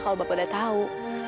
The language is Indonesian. kalau bapak udah tau